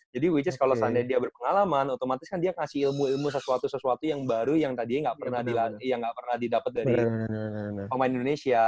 jadi which is kalau dia berpengalaman otomatis kan dia kasih ilmu ilmu sesuatu sesuatu yang baru yang tadi gak pernah didapet dari pemain indonesia